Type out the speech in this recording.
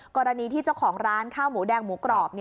กรณีที่เจ้าของร้านข้าวหมูแดงหมูกรอบ